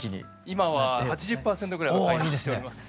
今は８０％ぐらいは回復しております。